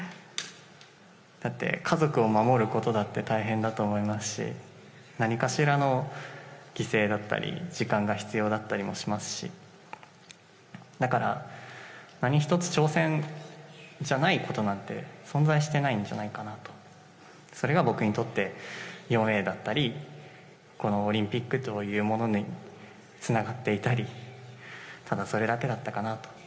だって、家族を守ることだって大変だと思いますし、何かしらの犠牲だったり、時間が必要だったりもしますし、だから、何一つ挑戦じゃないことなんて、存在してないんじゃないかなと、それが僕にとって、４Ａだったり、このオリンピックというものにつながっていたり、ただ、それだけだったかなと。